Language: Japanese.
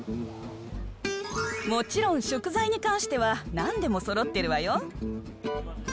もちろん食材に関しては、なんでもそろってるわよ。